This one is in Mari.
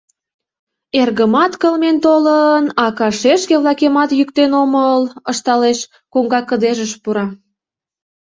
Эргымат кылмен толын, ака-шешке-влакемат йӱктен омыл, — ышталеш, коҥга кыдежыш пура.